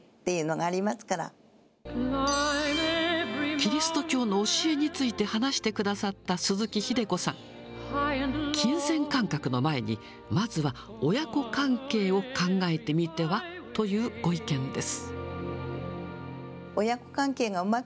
キリスト教の教えについて話してくださった鈴木秀子さん、金銭感覚の前に、まずは親子関係を考えてみてはというご意見です。